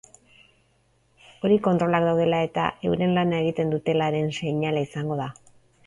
Hori kontrolak daudela eta euren lana egiten dutelaren seinale izango da.